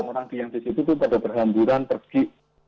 orang yang di situ itu pada berhamburan pergi